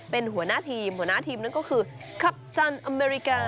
เป็นหัวหน้าทีมหัวหน้าทีมนั่นก็คือคับจันทร์อเมริกา